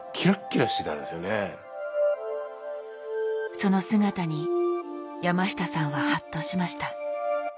その姿に山下さんはハッとしました。